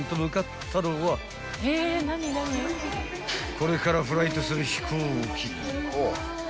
［これからフライトする飛行機］